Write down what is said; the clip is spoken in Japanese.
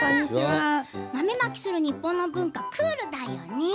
豆まきする日本の文化クールだよね。